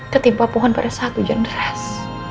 ketimpa pohon pada saat hujan deras